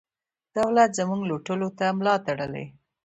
دولت زموږ لوټلو ته ملا تړلې ده.